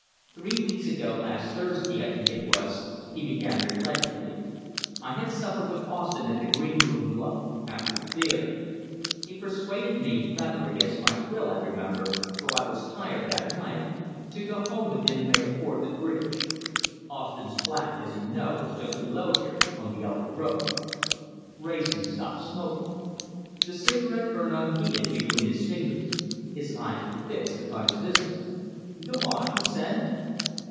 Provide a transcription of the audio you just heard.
"Three weeks ago last Thursday, I think it was," he began, reflectively, "I had supper with Austin at the Green Room Club, after the theatre. He persuaded me, rather against my will, I remember, for I was tired that night, to go home with him and make a fourth at bridge. Austin's flat, as you know, is just below here, on the Albert Road." Wrayson stopped smoking. The cigarette burned unheeded between his fingers. His eyes were fixed upon his visitor. "Go on," he said.